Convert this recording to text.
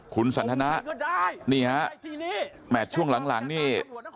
คุณสันทนานี่ฮะแมทช่วงหลังนี่